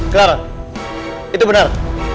kelar itu benar